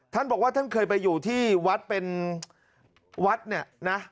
ท่านบอกว่าท่านเคยไปอยู่ที่วัดเป็นวัดเนี่ยนะ